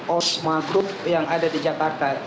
osmatuk yang ada di jakarta